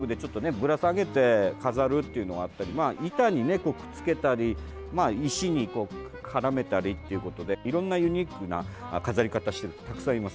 ハンギングでぶら下げて飾るっていうのもあったり板にくっつけたり石に絡めたりっていうことでいろいろなユニークな飾り方している人もたくさんいます。